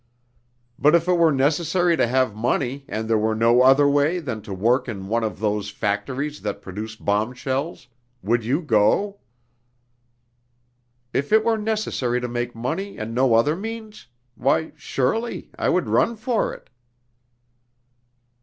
"But if it were necessary to have money and there were no other way than to work in one of those factories that produce bomb shells, would you go?" "If it were necessary to make money and no other means?... Why, surely! I would run for it."